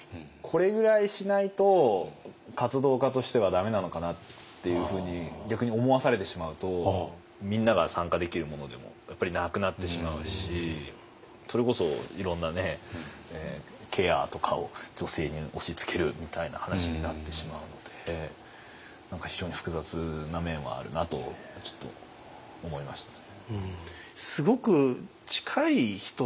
これぐらいしないと活動家としてはダメなのかなっていうふうに逆に思わされてしまうとみんなが参加できるものでもやっぱりなくなってしまうしそれこそいろんなケアとかを女性に押しつけるみたいな話になってしまうので何か非常に複雑な面はあるなとちょっと思いましたね。